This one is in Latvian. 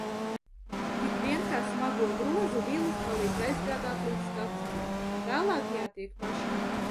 Tik vien kā smago grozu Vilis palīdz aizgādāt līdz stacijai, tālāk jātiek pašai.